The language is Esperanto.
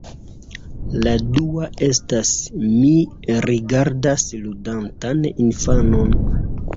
La dua estas: Mi rigardas ludantan infanon.